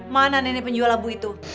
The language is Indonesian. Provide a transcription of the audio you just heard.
mana nenek penjual labu itu